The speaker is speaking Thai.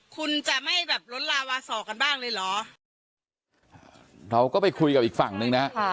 คุณจะไม่แบบล้นลาวาสอกันบ้างเลยเหรอเราก็ไปคุยกับอีกฝั่งหนึ่งนะฮะ